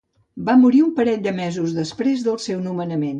Va morir un parell de mesos després del seu nomenament.